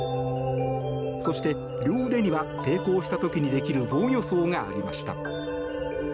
そして、両腕には抵抗した時にできる防御創がありました。